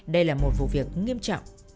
đây là một vụ việc nghiêm trọng